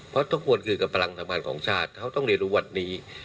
เพราะก็ต้องควรคือกับปลังสังวัลของชาติเขาต้องเรียนรู้วันนี้